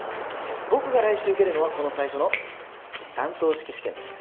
僕が来週受けるのはこの最初の短答式試験なんです。